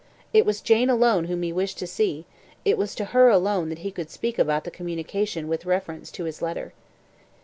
It was Jane alone whom he wished to see it was to her alone that he could speak about the communication with reference to his letter.